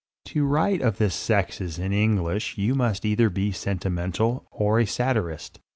To write of the sexes in English you must either be sentimental or a satirist.